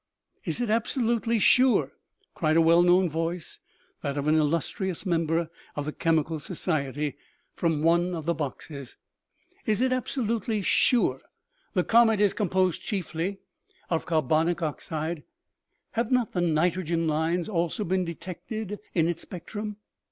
" Is it absolutely sure ?" cried a well known voice (that of an illustrious member of the chemical society) from one OMEGA. 69 of the boxes. "Is it absolutely sure the comet is com posed chiefly of carbonic oxide ? Have not the nitrogen lines also been detected in its spectrum